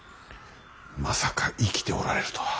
まさか生きておられるとは。